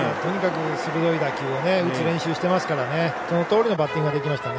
鋭い打球を打つ練習をしてますからそのとおりのバッティングできましたね。